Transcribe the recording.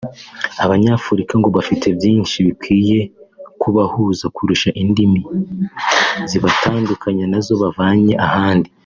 Abanyafurika ngo bafite byinshi bikwiye kubahuza kurusha indimi zibatandukanya nazo bavanye ahandi